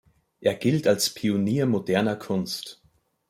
Er gilt als Pionier moderner Kunst.